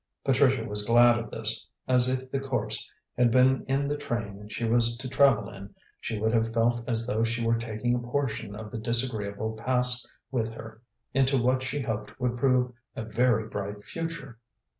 Patricia was glad of this, as if the corpse had been in the train she was to travel in, she would have felt as though she were taking a portion of the disagreeable past with her into what she hoped would prove a very bright future.